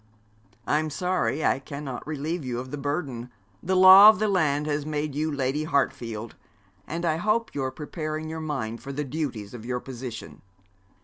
'I'm sorry I cannot relieve you of the burden. The law of the land has made you Lady Hartfield; and I hope you are preparing your mind for the duties of your position.'